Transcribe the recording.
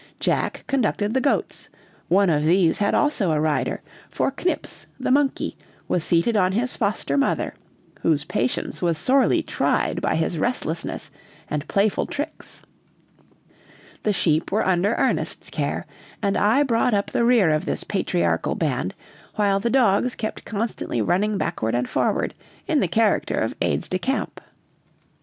Jack conducted the goats; one of these had also a rider, for Knips,[A] the monkey, was seated on his foster mother, whose patience was sorely tried by his restlessness and playful tricks. [A] German, Knipps, a mannikin. The sheep were under Ernest's care, and I brought up the rear of this patriarchal band, while the dogs kept constantly running backward and forward in the character of aides de camp.